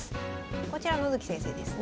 こちら野月先生ですね。